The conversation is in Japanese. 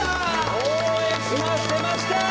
「応援します」出ました！